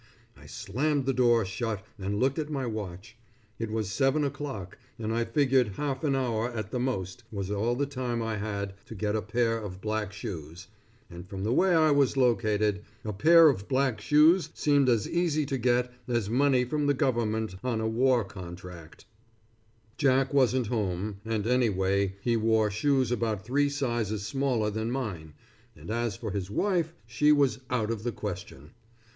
I slammed the door shut and looked at my watch. It was seven o'clock, and I figured half an hour at the most, was all the time I had to get a pair of black shoes, and from the way I was located, a pair of black shoes seemed as easy to get as money from the government on a war contract. Jack wasn't home, and anyway he wore shoes about three sizes smaller than mine, and as for his wife she was out of the question.